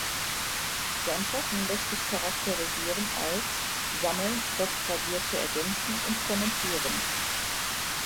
Sein Schaffen lässt sich charakterisieren als: sammeln, das Tradierte ergänzen und kommentieren.